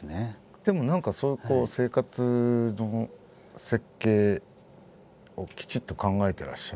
でも何かそういうこう生活の設計をきちっと考えていらっしゃる。